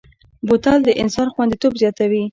بوتل د انسان خوندیتوب زیاتوي.